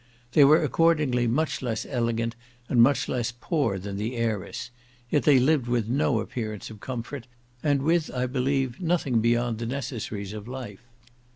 They were, accordingly, much less elegant and much less poor than the heiress; yet they lived with no appearance of comfort, and with, I believe, nothing beyond the necessaries of life.